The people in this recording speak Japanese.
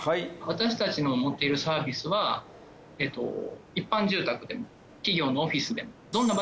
私たちの持っているサービスは一般住宅でも企業のオフィスでも。